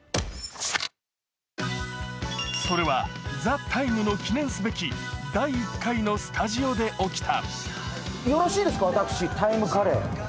それは、「ＴＨＥＴＩＭＥ，」の記念すべき第１回のスタジオで起きた。